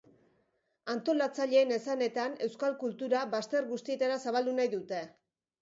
Antolatzaileen esanetan, euskal kultura bazter guztietara zabaldu nahi dute.